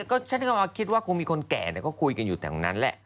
ก็ฉันก็คิดว่าคงมีคนแก่ก็คุยกันอยู่แถวนั้นแหละ